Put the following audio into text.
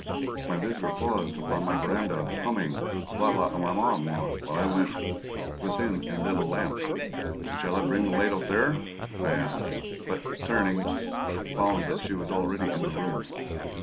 My visitor paused upon my veranda, humming, "Quand l'Amour Meurt" while I went within and lit a lamp. "Shall I bring the light out there?" I asked, but, turning, found that she was already in the room.